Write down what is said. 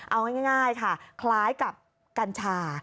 เอาง่ายค่ะคล้ายกับกัญชา